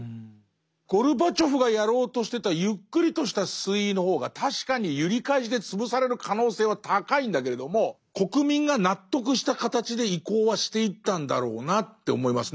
ゴルバチョフがやろうとしてたゆっくりとした推移の方が確かに揺り返しで潰される可能性は高いんだけれども国民が納得した形で移行はしていったんだろうなって思いますね。